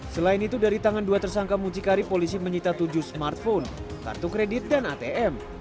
selain itu dari tangan dua tersangka mucikari polisi menyita tujuh smartphone kartu kredit dan atm